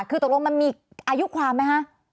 คือตกลงมันมีอายุความไหมฮะ